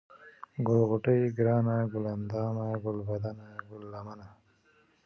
ګل غوټۍ ، گرانه ، گل اندامه ، گلبدنه ، گل لمنه ،